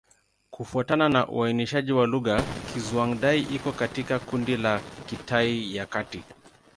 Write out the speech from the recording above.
Kufuatana na uainishaji wa lugha, Kizhuang-Dai iko katika kundi la Kitai ya Kati.